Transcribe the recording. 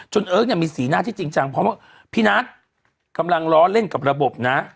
เอิ๊กเนี่ยมีสีหน้าที่จริงจังเพราะว่าพี่นัทกำลังล้อเล่นกับระบบนะ